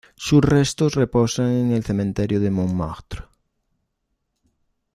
Sus restos reposan en el cementerio de Montmartre.